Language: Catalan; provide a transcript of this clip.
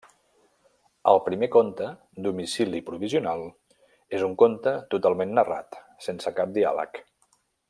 El primer conte, Domicili provisional, és un conte totalment narrat sense cap diàleg.